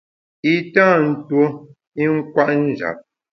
I tâ ntuo i nkwet njap.